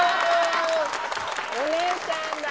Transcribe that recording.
お姉ちゃんだ！